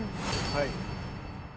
はい。